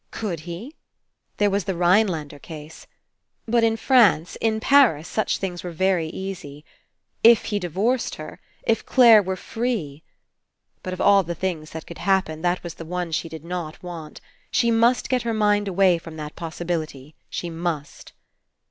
Could he? There was the Rhinelander case. But in France, in Paris, such things were very easy. If he divorced her — If Clare were free — But of all the things that could happen, that was the one she did not want. She must get her mind away from that possibility. She must.